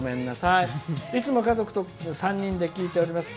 「いつも家族で３人で聞いております」。